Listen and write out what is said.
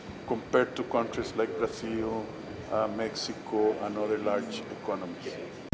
dibandingkan dengan negara negara seperti brazil meksiko dan ekonomi yang lebih besar